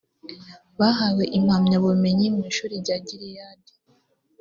bahawe impamyabumenyi mu ishuri rya gileyadi.